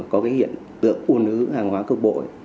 có cái hiện tượng u nữ hàng hóa cơ bội